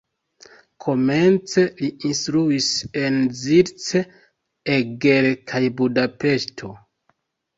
Komence li instruis en Zirc, Eger kaj Budapeŝto.